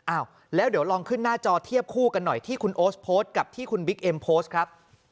อ้าวแล้วเดี๋ยวลองขึ้นหน้าจอเทียบคู่กันหน่อยที่คุณโอ๊ตโพสต์กับที่คุณบิ๊กเอ็มโพสต์ครับ